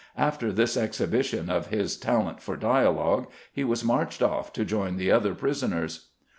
After this exhibition of his talent for dialogue, he was marched off to join the other prisoners.